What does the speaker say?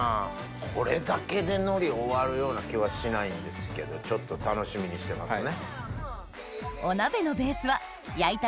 これだけで海苔終わるような気はしないんですけどちょっと楽しみにしてますね。